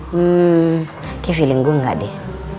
hmm ke feeling gue gak deh